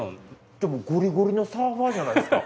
じゃあもうゴリゴリのサーファーじゃないですか。